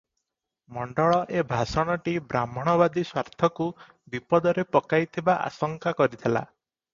ମଣ୍ଡଳ ଏ ଭାଷଣଟି ବ୍ରାହ୍ମଣବାଦୀ ସ୍ୱାର୍ଥକୁ ବିପଦରେ ପକାଇଥିବା ଆଶଙ୍କା କରିଥିଲା ।